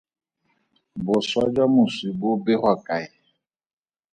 Boswa jwa moswi bo begwa kae?